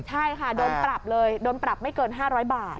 ใช่ค่ะโดนปรับเลยโดนปรับไม่เกิน๕๐๐บาท